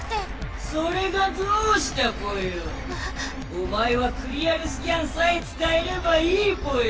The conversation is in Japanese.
おまえはクリアルスキャンさえつかえればいいぽよ！